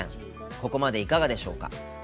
ここまでいかがでしょうか。